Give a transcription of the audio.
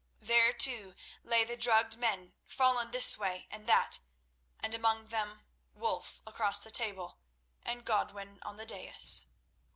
There, too, lay the drugged men fallen this way and that, and among them Wulf across the table, and Godwin on the dais.